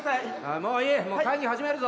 もう会議始めるぞ。